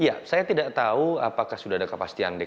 ya saya tidak tahu apakah sudah ada kepastian di kelompok